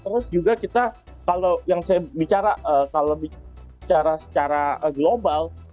terus juga kita kalau yang saya bicara secara global